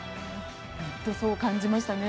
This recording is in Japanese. そう感じましたね。